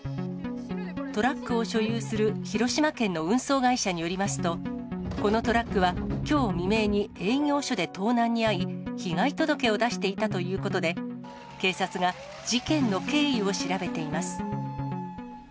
トラックを所有する広島県の運送会社によりますと、このトラックは、きょう未明に営業所で盗難に遭い、被害届を出していたということで、警察が、事件の経緯を調べています。